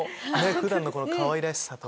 普段のこのかわいらしさと。